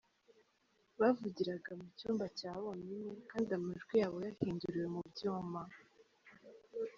Bavugiraga mu cyumba cya bonyine kandi amajwi yabo yahinduriwe mu byuma.